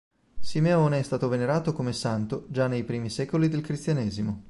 Simeone è stato venerato come santo già nei primi secoli del cristianesimo.